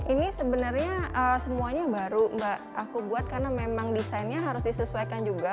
ini sebenarnya semuanya baru mbak aku buat karena memang desainnya harus disesuaikan juga